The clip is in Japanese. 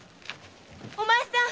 ・お前さん！